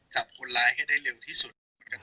จับคนร้ายให้ได้เร็วที่สุด